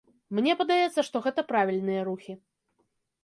Мне падаецца, што гэта правільныя рухі.